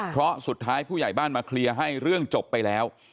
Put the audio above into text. เพราะสุดท้ายผู้ใหญ่บ้านมาเคลียร์ให้เรื่องจบไปแล้ว